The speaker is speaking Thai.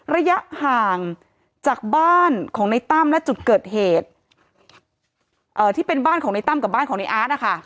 ระยะห่างจากบ้านของในตั้มและจุดเกิดเหตุที่เป็นบ้านของในตั้มกับบ้านของในอาร์ตนะคะ